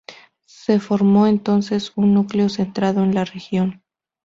Se formó entonces un núcleo centrado en la región.